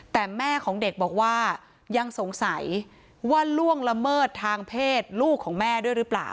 แต่แม่ของเด็กบอกว่ายังสงสัยว่าล่วงละเมิดทางเพศลูกของแม่ด้วยหรือเปล่า